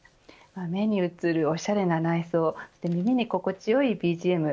目に映るおしゃれな内装耳に心地よいＢＧＭ